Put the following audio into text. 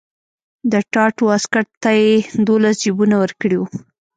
د ټاټ واسکټ ته یې دولس جیبونه ورکړي وو.